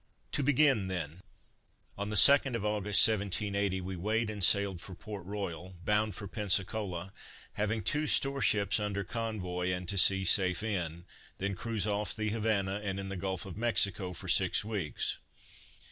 To begin then: On the 2d of August, 1780, we weighed and sailed for Port Royal, bound for Pensacola, having two store ships under convoy, and to see safe in; then cruise off the Havana, and in the gulf of Mexico, for six weeks.